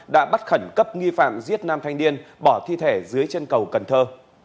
đã bắt khẩn cấp nghi phạm giết nam thanh niên bỏ thi thể dưới chân cầu cần thơ